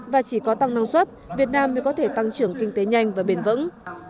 và chỉ có tăng năng suất việt nam mới có thể tăng trưởng kinh tế nhanh và bền vững